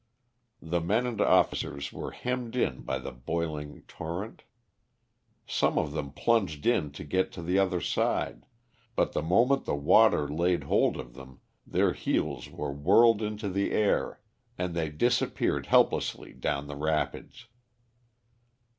The men and officers were hemmed in by the boiling torrent. Some of them plunged in to get to the other side, but the moment the water laid hold of them their heels were whirled into the air, and they disappeared helplessly down the rapids.